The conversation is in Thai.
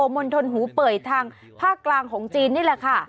มณฑลหูเป่ยทางภาคกลางของจีนนี่แหละค่ะ